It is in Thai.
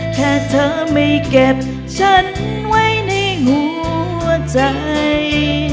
แค่เธอไม่เก็บฉันไว้ในหัวใจ